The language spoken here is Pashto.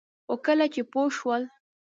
خو کله چې پوه شول